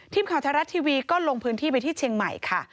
ทีมข่าวไทยรัฐทีวีก็ลงพื้นที่ไปที่เชียงใหม่ค่ะ